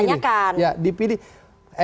konstitusi yang saat ini dipertanyakan